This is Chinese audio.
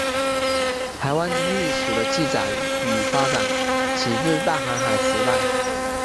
台湾经济史的记载与发展起自大航海时代。